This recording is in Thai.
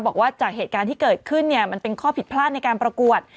บอกว่าจากเหตุการณ์ที่เกิดขึ้นมันเป็นข้อผิดพลาดในการประกวด